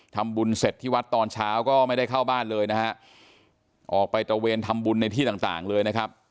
ทำบุญเสร็จที่วัดตอนเช้าก็ไม่ได้เข้าบ้านเลยนะฮะออกไปตระเวนทำบุญในที่ต่างต่างเลยนะครับ